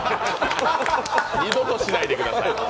二度としないでください！